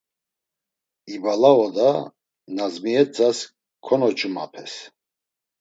İbala oda Nazmiyetzas konoçumapes.